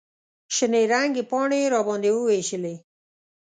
شنې رنګې پاڼې یې راباندې ووېشلې.